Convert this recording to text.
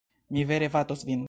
Mi vere batos vin!